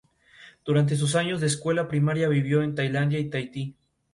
Su padre es dentista y su madre es ama de casa.